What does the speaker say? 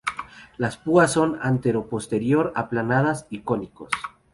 Las púas son anteroposterior aplanadas y cónicos.